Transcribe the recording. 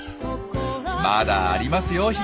まだありますよ